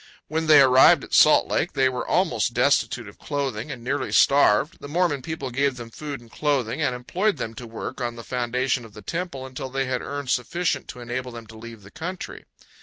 When they arrived at Salt Lake they were almost destitute of clothing and nearly starved. The Mormon people gave them food and clothing and employed them to work on the foundation of the Temple until they had earned sufficient to enable them to leave the country.